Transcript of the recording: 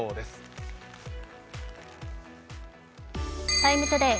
「ＴＩＭＥ，ＴＯＤＡＹ」